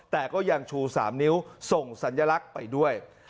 แต่ก็ยังชู๓นิ้วส่งสัญลักษณ์ไปด้วย